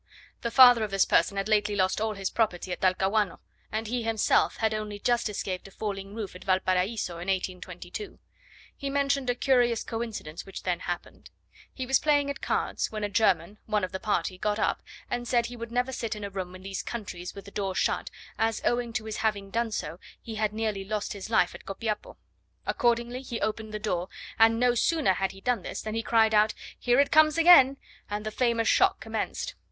The father of this person had lately lost all his property at Talcahuano, and he himself had only just escaped a falling roof at Valparaiso, in 1822. He mentioned a curious coincidence which then happened: he was playing at cards, when a German, one of the party, got up, and said he would never sit in a room in these countries with the door shut, as owing to his having done so, he had nearly lost his life at Copiapo. Accordingly he opened the door; and no sooner had he done this, than he cried out, "Here it comes again!" and the famous shock commenced.